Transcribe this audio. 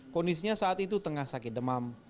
kondisinya saat itu tengah sakit demam